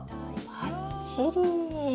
ばっちり！